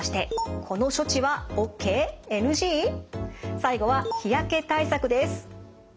最後は日焼け対策です。